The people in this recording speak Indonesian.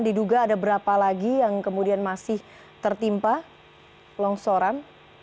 diduga ada berapa lagi yang kemudian masih tertimpa longsoran